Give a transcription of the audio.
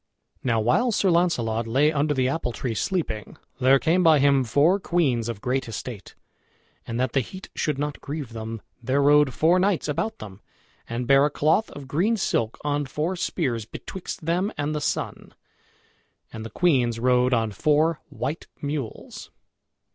Now while Sir Launcelot lay under the apple tree sleeping, there came by him four queens of great estate. And that the heat should not grieve them, there rode four knights about them, and bare a cloth of green silk on four spears, betwixt them and the sun. And the queens rode on four white mules.